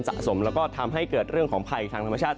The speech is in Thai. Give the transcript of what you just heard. สะสมแล้วก็ทำให้เกิดเรื่องของภัยทางธรรมชาติ